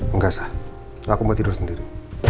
enggak sah aku mau tidur sendiri